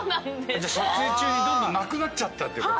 撮影中にどんどんなくなっちゃったってこと？